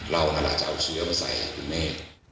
เราน่ารักจะเอาเชื้อมาใส่ให้พี่เมฆ